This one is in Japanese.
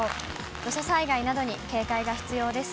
土砂災害などに警戒が必要です。